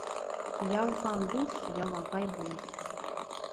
Ялған дуҫ ялағай булыр.